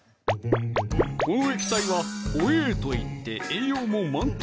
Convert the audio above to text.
この液体はホエイといって栄養も満点！